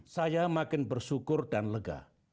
saya makin bersyukur dan lega